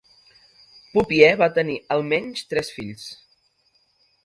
Pupiè va tenir almenys tres fills.